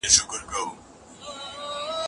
دا مسواک د پیلو د ونې له ریښو څخه جوړ شوی دی.